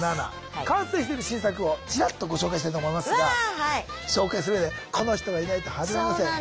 完成してる新作をチラッとご紹介したいと思いますが紹介するうえでこの人がいないと始まりません。